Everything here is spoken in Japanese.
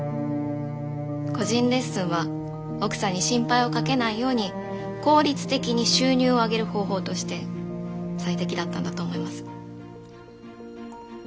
個人レッスンは奥さんに心配をかけないように効率的に収入を上げる方法として最適だったんだと思います。